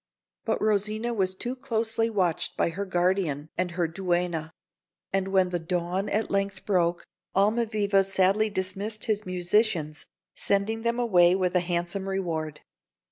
But Rosina was too closely watched by her guardian and her duenna; and when the dawn at length broke Almaviva sadly dismissed his musicians, sending them away with a handsome reward.